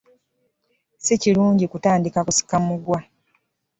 Ssi kirungi kutandiika kusika muguwa.